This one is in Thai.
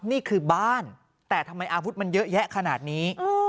นี่คือบ้านแต่ทำไมอาวุธมันเยอะแยะขนาดนี้